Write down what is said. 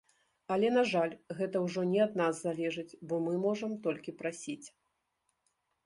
Але, на жаль гэта ўжо не ад нас залежыць, бо мы можам толькі прасіць.